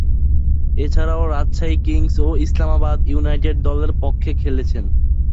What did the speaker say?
এছাড়াও, রাজশাহী কিংস ও ইসলামাবাদ ইউনাইটেড দলের পক্ষে খেলেছেন।